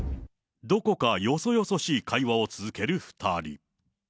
どこかよそよそしい会話を続ける２人。